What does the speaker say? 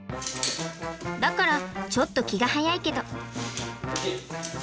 だからちょっと気が早いけど。